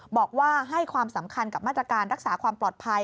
บอกว่าให้ความสำคัญกับมาตรการรักษาความปลอดภัย